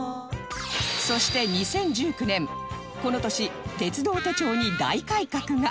そして２０１９年この年鉄道手帳に大改革が！